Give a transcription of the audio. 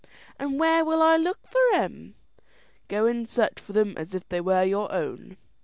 "And where will I look for 'em?" "Go and search for them as if they were your own."